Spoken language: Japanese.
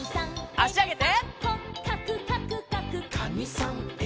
あしあげて。